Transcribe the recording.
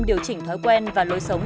điều chỉnh thói quen và lối sống